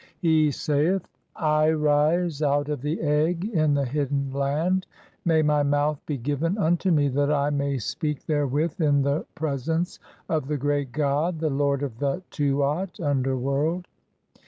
He saith :— "I rise (3) out of the egg in the hidden land. May my mouth "be given (4) unto me that I may speak therewith in the pre sence of the great god, the lord of the (5) Tuat (underworld).